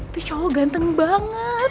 tuh cowok ganteng banget